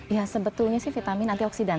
ya sebetulnya vitamin antioksidan